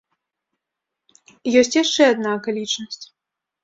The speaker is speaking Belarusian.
Ёсць яшчэ адна акалічнасць.